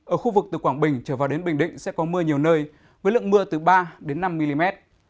ở khu vực từ quảng bình trở vào đến bình định sẽ có mưa nhiều nơi với lượng mưa từ ba năm mm